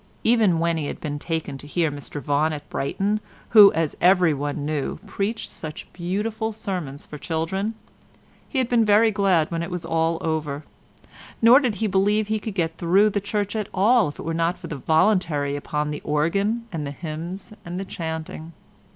Even when he had been taken to hear Mr Vaughan at Brighton, who, as everyone knew, preached such beautiful sermons for children, he had been very glad when it was all over, nor did he believe he could get through church at all if it was not for the voluntary upon the organ and the hymns and chanting.